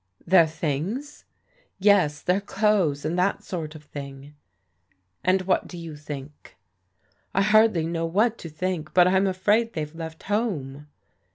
"Their things?" " Yes, their clothes, and that sort of thing." "And what do you think?" " I hardly know what to think, but I'm afraid they've left home."